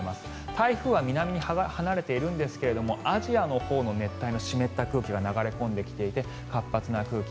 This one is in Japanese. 台風は南に離れているんですがアジアのほうの熱帯の湿った空気が流れ込んできていて活発な空気